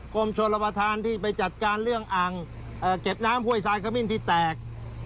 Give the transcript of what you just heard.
กรมชนราวทานที่ไปจัดการเรื่องอังเอ่อเก็บน้ำห้วยซายขมิ้นที่แตก